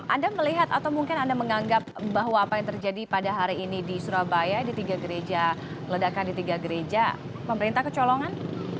anda melihat atau mungkin anda menganggap bahwa apa yang terjadi pada hari ini di surabaya di tiga gereja ledakan di tiga gereja pemerintah kecolongan